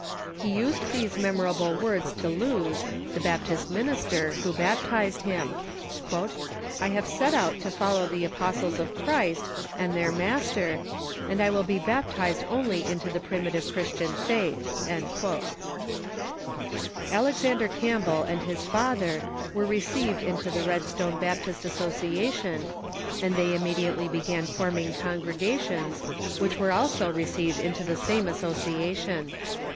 He used these memo rable words to Loos, the Baptist minister, who baptized him : "I have set out to follow the apostles of Christ, and their ALEXANDER CAMPBELL AND THE DISCIPLES OF CHRIST 559 Master, .and I will be baptized only into the primitive Chris tian faith." Alexander Campbell and his father wore received into Red stone Baptist Association, and they immediately began form ing congregations, which were also received into Leaves the ^|j^ same association.